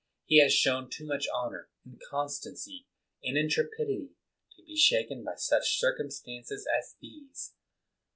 He has shown too much honor, and constancy, and intrepidity, to be shaken by such circumstances as these.